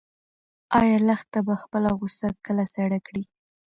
ایا لښته به خپله غوسه کله سړه کړي؟